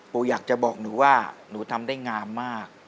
อยากจะบอกหนูว่าหนูทำได้งามมาก